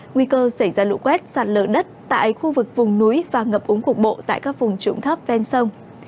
nguy cơ xảy ra lũ quét sạt lở đất tại khu vực vùng núi và ngập úng cục bộ tại các vùng trụng thấp ven sông